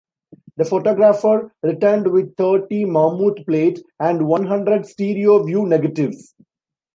The photographer returned with thirty mammoth plate and one hundred stereo view negatives.